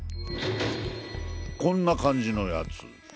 こんな感じのヤツ。